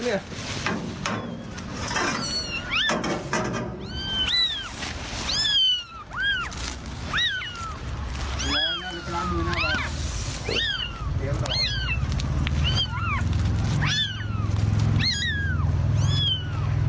โอ้โหตายเลยแล้วเนี่ย